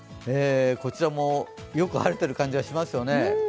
こちらもよく晴れている感じがしますよね。